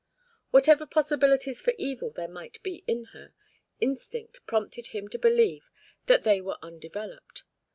Whatever possibilities for evil there might be in her, instinct prompted him to believe that they were undeveloped.